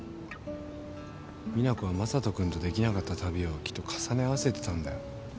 実那子は将人くんとできなかった旅をきっと重ね合わせてたんだよ。